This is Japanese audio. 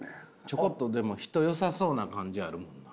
ちょこっとでも人よさそうな感じあるもんな。